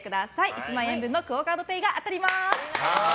１万円分のＱＵＯカードＰａｙが当たります。